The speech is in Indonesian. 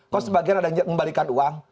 kok sebagian ada yang membalikan uang